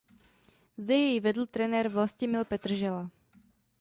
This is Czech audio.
Zde jej vedl trenér Vlastimil Petržela.